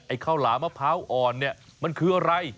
ข้าวหลามะพร้าวอ่อนเนี่ยมันคืออะไร